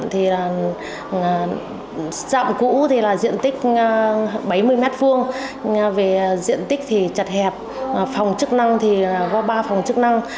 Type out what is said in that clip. trạm cũ là diện tích bảy mươi m hai diện tích chặt hẹp phòng chức năng là ba phòng chức năng